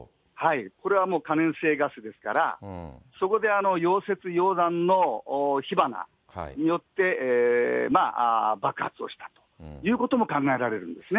これはもう可燃性ガスですから、そこで溶接、溶断の火花になって爆発をしたということも考えられるんですね。